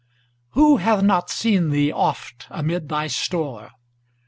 2. Who hath not seen thee oft amid thy store?